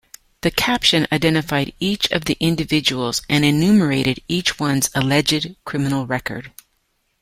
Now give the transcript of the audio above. The caption identified each of the individuals and enumerated each one's alleged criminal record.